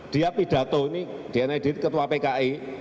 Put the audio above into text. dia pidato ini dnadit ketua pki